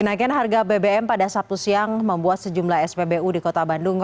kenaikan harga bbm pada sabtu siang membuat sejumlah spbu di kota bandung